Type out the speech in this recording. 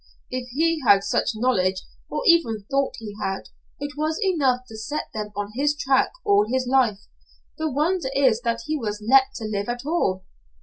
"If he had such knowledge or even thought he had, it was enough to set them on his track all his life; the wonder is that he was let to live at all."